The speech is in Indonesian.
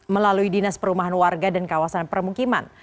melalui dinas perumahan warga dan kawasan permukiman